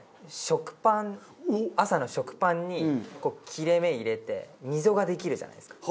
食パン朝の食パンに切れ目入れて溝ができるじゃないですか。